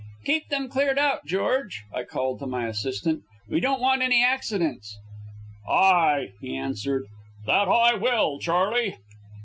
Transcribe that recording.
"Keep them cleared out, George!" I called to my assistant. "We don't want any accidents." "Ay," he answered, "that I will, Charley."